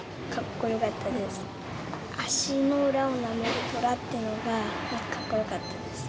足の裏をなめる虎ってのがかっこよかったです。